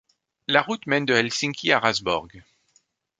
La route mène de Helsinki à Raseborg.